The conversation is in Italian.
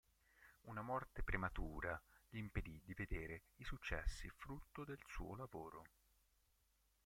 Una morte prematura gli impedì di vedere i successi frutto del suo lavoro.